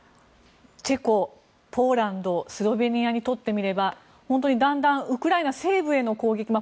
チェコ、ポーランドスロベニアにとってみればだんだんウクライナ西部への攻撃